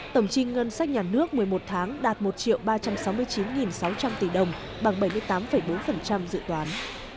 tổng chi ngân sách nhà nước một mươi một tháng đạt một ba trăm sáu mươi chín sáu trăm linh tỷ đồng bằng bảy mươi tám bốn dự toán